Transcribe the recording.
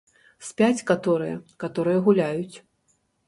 Спяць каторыя, каторыя гуляюць.